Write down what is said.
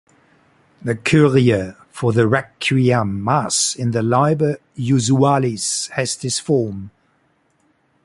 The Kyrie for the Requiem Mass in the Liber Usualis has this form.